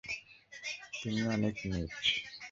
তুমি অনেক নীচ!